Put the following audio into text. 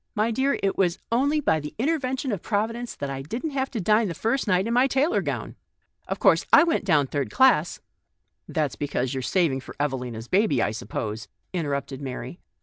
My dear, it was only by the intervention of Providence that I didn't have to dine the first night in my tailor gown. Of course, I went down third class "" That's because you are saving for Eve lina's baby, I suppose," interrupted Mary.